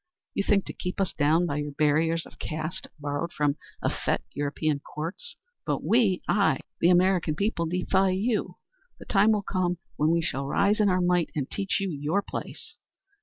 You think to keep us down by your barriers of caste borrowed from effete European courts, but we I the American people defy you. The time will come when we shall rise in our might and teach you your place.